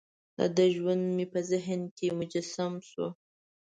دده ژوند مې په ذهن کې مجسم شو.